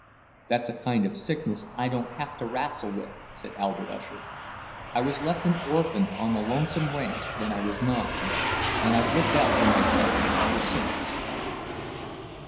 "That's a kind of sickness I don't have to wrastle with," said Albert Usher. "I was left an orphan on a lonesome ranch, when I was nine, and I've looked out for myself ever since."